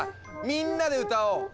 みんなで歌おう！